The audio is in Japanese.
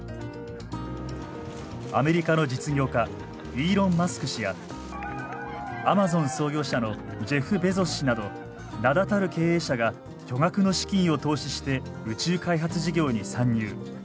アメリカの実業家イーロン・マスク氏やアマゾン創業者のジェフ・ベゾス氏など名だたる経営者が巨額の資金を投資して宇宙開発事業に参入。